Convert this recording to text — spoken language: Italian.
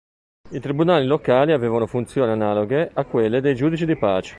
I tribunali locali avevano funzioni analoghe a quelle dei giudici di pace.